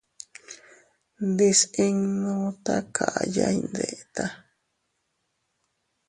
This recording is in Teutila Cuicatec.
Ndisinnu takaya iyndeta.